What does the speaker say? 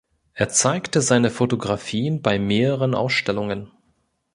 Er zeigte seine Fotografien bei mehreren Ausstellungen.